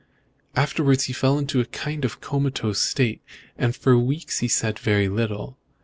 Afterwards he fell into a kind of comatose state, and for weeks said very little.